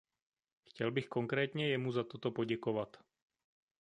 Chtěl bych konkrétně jemu za toto poděkovat.